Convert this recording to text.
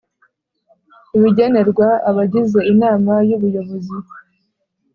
Ibigenerwa abagize Inama y Ubuyobozi